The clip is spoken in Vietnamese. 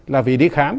là vì đi khám